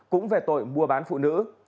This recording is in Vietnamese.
cũng về tội mua bán phụ nữ